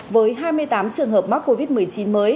với hai mươi tám trường hợp mắc covid một mươi chín mới